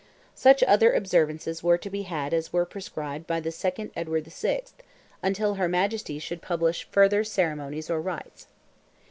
Such other observances were to be had as were prescribed by the 2nd Edward VI., until her Majesty should "publish further ceremonies or rites."